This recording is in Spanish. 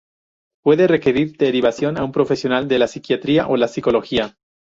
Puede requerir derivación a un profesional de la psiquiatría o la psicología.